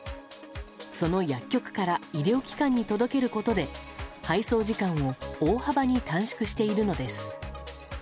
その薬局から医療機関に届けることで配送時間を大幅に短縮しているのです。